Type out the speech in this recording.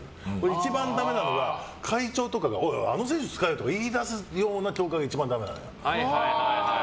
一番ダメなのが、会長とかがあの選手使えとか言い出す協会が一番ダメなのよ。